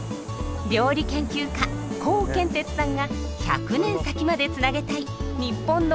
料理研究家コウケンテツさんが１００年先までつなげたい日本のゴハンを探す旅。